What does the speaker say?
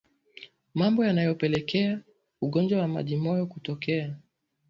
Mambo yanayopelekea ugonjwa wa majimoyo kutokea